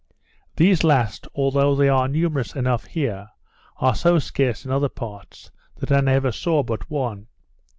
These last, although they are numerous enough here, are so scarce in other parts, that I never saw but one.